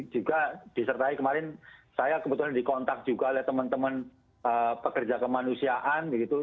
juga disertai kemarin saya kebetulan dikontak juga oleh teman teman pekerja kemanusiaan begitu